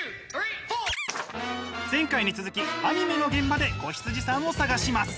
前回に続きアニメの現場で子羊さんを探します！